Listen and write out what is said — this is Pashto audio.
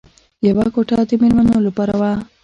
یوه کوټه د مېلمنو لپاره وه